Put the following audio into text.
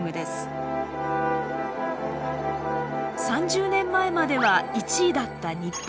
３０年前までは１位だった日本。